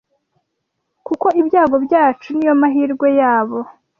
kuko ibyago byacu niyo mahirwe yabo.”